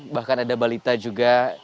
bahkan ada balita juga